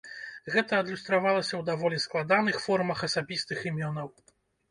Гэта адлюстравалася ў даволі складаных формах асабістых імёнаў.